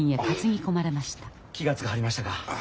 気が付かはれましたか。